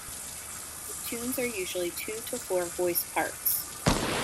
The tunes are usually two to four voice parts.